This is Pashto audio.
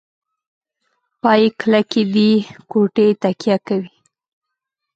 پایې کلکې دي کوټې تکیه کوي.